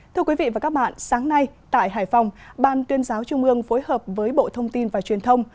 thưa quý vị và các bạn sáng nay tại hải phòng ban tuyên giáo trung ương phối hợp với bộ thông tin và truyền thông